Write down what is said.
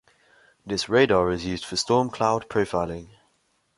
This radar is used for storm cloud profiling.